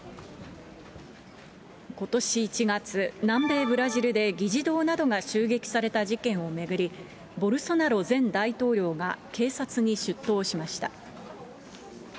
ことし１月、南米ブラジルで議事堂などが襲撃された事件を巡り、ボルソナロ前大統領が警察に出頭しました。